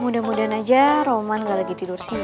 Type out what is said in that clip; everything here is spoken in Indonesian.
mudah mudahan aja roman gak lagi tidur siang